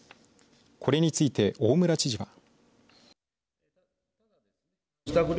これについて大村知事は。